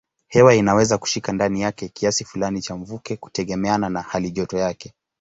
Hewa inaweza kushika ndani yake kiasi fulani cha mvuke kutegemeana na halijoto yake.